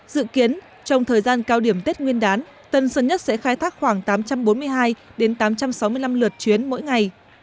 dự kiến trong thời gian cao điểm tết nguyên đán tân sơn nhất sẽ khai thác khoảng tám trăm bốn mươi hai tám trăm sáu mươi năm lượt chuyến mỗi ngày